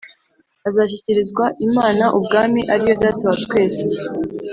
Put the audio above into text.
Azashyikiriza Imana ubwami ari yo Data wa twese